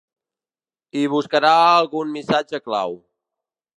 Hi buscarà algun missatge clau.